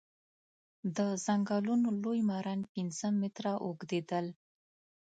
د ځنګلونو لوی ماران پنځه متره اوږديدل.